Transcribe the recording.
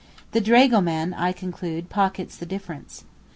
The dragoman, I conclude, pockets the difference.